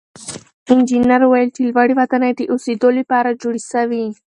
انجنیر وویل چې لوړې ودانۍ د اوسېدو لپاره جوړې سوې.